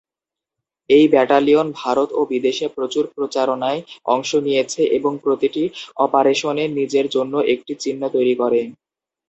এই ব্যাটালিয়ন ভারত ও বিদেশে প্রচুর প্রচারণায় অংশ নিয়েছে এবং প্রতিটি অপারেশনে নিজের জন্য একটি চিহ্ন তৈরি করে।